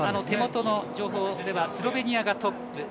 手元の情報ではスロベニアがトップ。